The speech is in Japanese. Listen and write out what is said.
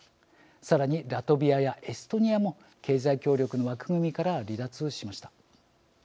さらにラトビアやエストニアも経済協力の枠組みから離脱しました。